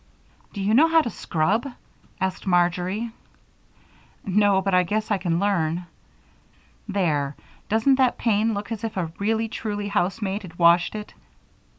"Do you know how to scrub?" asked Marjory. "No, but I guess I can learn. There! Doesn't that pane look as if a really truly housemaid had washed it?"